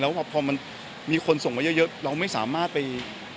แล้วพอมันมีคนส่งมาเยอะเราไม่สามารถไป